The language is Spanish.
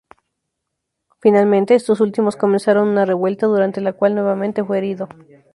Finalmente, estos últimos comenzaron una revuelta durante la cual nuevamente fue herido.